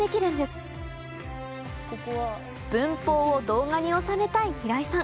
分蜂を動画に収めたい平井さん